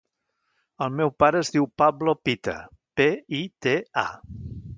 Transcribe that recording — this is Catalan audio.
El meu pare es diu Pablo Pita: pe, i, te, a.